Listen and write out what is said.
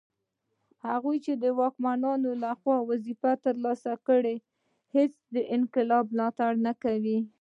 هغوی چي د واکمنو لخوا وظیفې ترلاسه کوي هیڅکله د انقلاب ملاتړ نه کوي